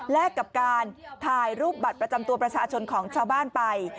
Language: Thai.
กับการถ่ายรูปบัตรประจำตัวประชาชนของชาวบ้านไป